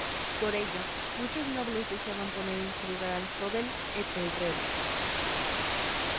Por ello, muchos nobles deseaban poner en su lugar al joven Etelredo.